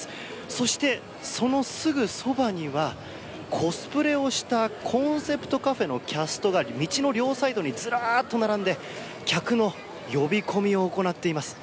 そして、そのすぐそばにはコスプレをしたコンセプトカフェのキャストが道の両サイドにずらっと並んで客の呼び込みを行っています。